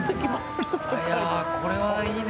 いやあこれはいいね。